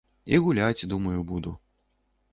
І гуляць, думаю, буду.